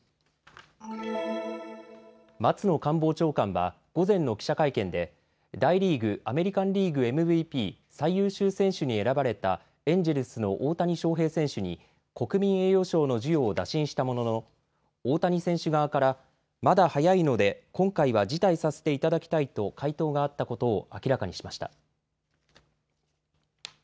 松野官房長官は午前の記者会見で大リーグ、アメリカンリーグＭＶＰ・最優秀選手に選ばれたエンジェルスの大谷翔平選手に国民栄誉賞の授与を打診したものの大谷選手側からまだ早いので今回は辞退させていただきたいと回答があったことを明らかにしました。